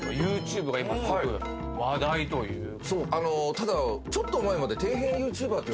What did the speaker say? ただちょっと前まで。